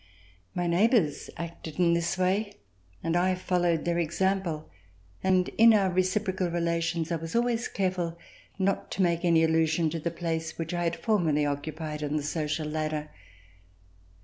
My neighbors acted in this way, and I followed their example and in our reciprocal relations I was always careful not to make any allusion to the place which I had formerly occu pied on the social ladder.